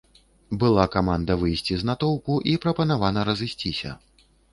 Была каманда выйсці з натоўпу і прапанавана разысціся.